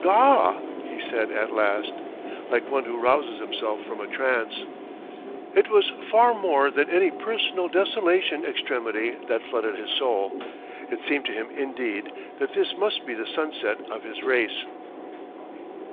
"Gaw!" he said at last, like one who rouses himself from a trance. It was far more than any personal desolation extremity that flooded his soul. It seemed to him indeed that this must be the sunset of his race.